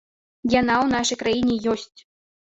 Яна ў нашай краіне ёсць!